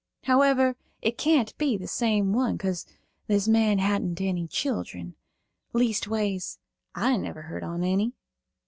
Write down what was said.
However, it can't be the same one, 'cause this man hadn't any children. Leastways, I never heard on eny."